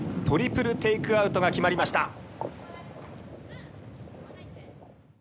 トリプルテイクアウトが決まりました。